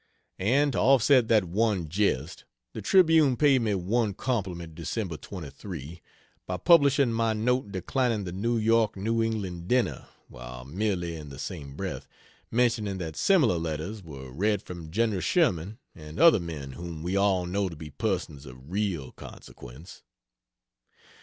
And to offset that one jest, the Tribune paid me one compliment Dec. 23, by publishing my note declining the New York New England dinner, while merely (in the same breath,) mentioning that similar letters were read from General Sherman and other men whom we all know to be persons of real consequence.